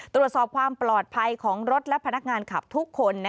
ตรวจสอบความปลอดภัยของรถและพนักงานขับทุกคน